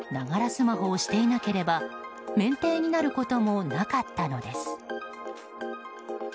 スマホをしていなければ免停になることもなかったのです。